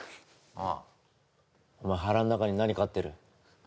ああお前腹の中に何かってる？